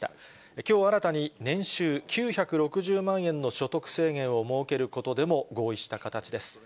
きょう新たに年収９６０万円の所得制限を設けることでも合意した形です。